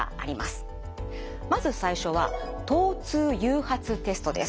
まず最初は疼痛誘発テストです。